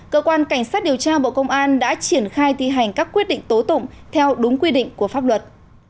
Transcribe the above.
cơ quan cảnh sát điều tra bộ công an đã triển khai thi hành các quyết định tố tụng theo đúng quy định của pháp luật